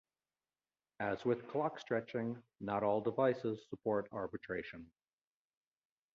As with clock stretching, not all devices support arbitration.